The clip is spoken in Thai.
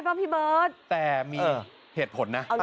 แต่มีเหตุผลนะ